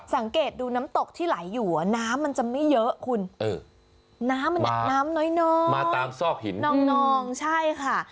สังเกตดูน้ำตกที่ไหลอยู่น้ำมันจะไม่เยอะคุณน้ำมันน้ำน้อยมาตามซอกหินนองใช่ค่ะ